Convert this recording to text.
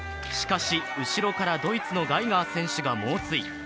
しかし、後ろからドイツのガイガー選手が猛追。